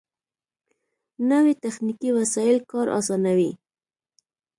نوې تخنیکي وسایل کار آسانوي